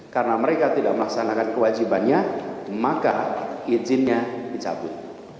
karena mereka tidak melaksanakan kewajibannya maka izinnya dicabut